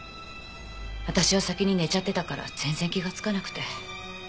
私は先に寝ちゃってたから全然気がつかなくて。